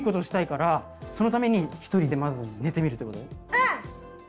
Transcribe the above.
うん！